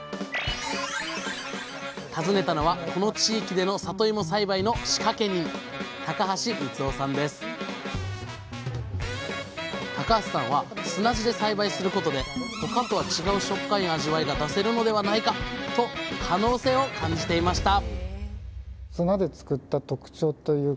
訪ねたのはこの地域でのさといも栽培の仕掛け人高橋さんは砂地で栽培することで「他とは違う食感や味わいが出せるのではないか？」と可能性を感じていました